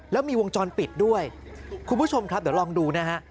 แล้วมีวงจรปิดด้วยคุณผู้ชมครับเดี๋ยวลองดูนะฮะ